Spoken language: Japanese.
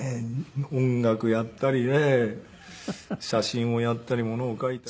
音楽やったりね写真をやったりものを書いたり。